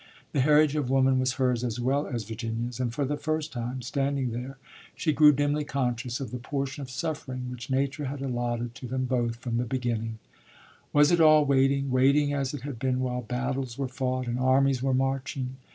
The heritage of woman was hers as well as Virginia's. And for the first time, standing there, she grew dimly conscious of the portion of suffering which Nature had allotted to them both from the beginning. Was it all waiting waiting, as it had been while battles were fought and armies were marching?